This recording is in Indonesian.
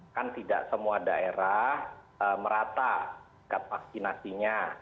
kan tidak semua daerah merata vaksinasinya